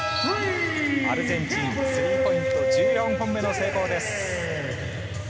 アルゼンチン、スリーポイント、１４本目の成功です。